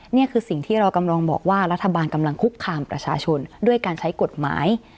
นี่คือสิ่งที่เรากำลังบอกว่ารัฐบาลกำลังคุกคามประชาชนด้วยการใช้กฎหมาย